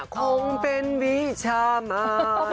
คงเป็นวิชามา